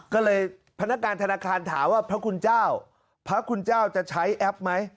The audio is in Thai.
ก็เลยพนักงานธนาคารถามว่าพระคุณเจ้าพระคุณเจ้าจะใช้แอปไหม